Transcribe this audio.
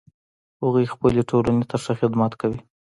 هغوی خپلې ټولنې ته ښه خدمت کوي